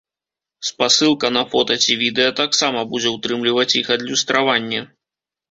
Спасылка на фота ці відэа таксама будзе ўтрымліваць іх адлюстраванне.